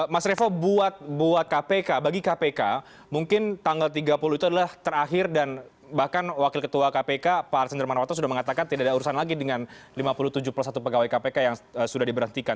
mas revo buat kpk bagi kpk mungkin tanggal tiga puluh itu adalah terakhir dan bahkan wakil ketua kpk pak arsen dermana wato sudah mengatakan tidak ada urusan lagi dengan lima puluh tujuh plus satu pegawai kpk yang sudah diberhentikan